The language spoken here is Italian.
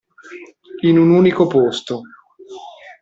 In un unico posto.